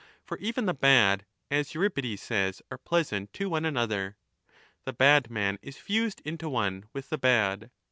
For even the bad, as 35 Euripides says, are pleasant to one another. ' The bad man is fused into one with the bad.'